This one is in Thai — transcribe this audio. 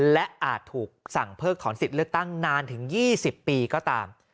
และอาจถูกสั่งเพิกถอนสิทธิ์เลือกตั้งนานถึง๒๐ปีก็ตาม